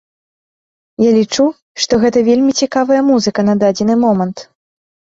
Я лічу, што гэта вельмі цікавая музыка на дадзены момант.